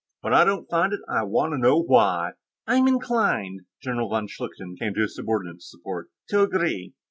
When I don't find it, I want to know why." "I'm inclined," von Schlichten came to his subordinate's support, "to agree.